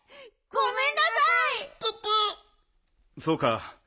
そうか。